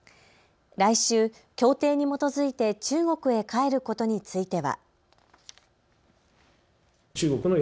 来週、協定に基づいて中国へ帰ることについては。